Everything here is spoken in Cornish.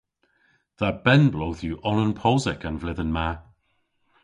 Dha benn-bloodh yw onan posek an vledhen ma.